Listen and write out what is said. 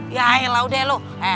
yaelah udah ya lu